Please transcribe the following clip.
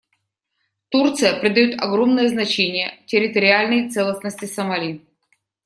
Турция придает огромное значение территориальной целостности Сомали.